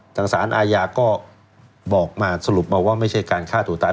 สารอาญาก็บอกมาสรุปมาว่าไม่ใช่การฆ่าตัวตาย